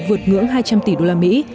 vượt ngưỡng hai trăm linh tỷ đô la mỹ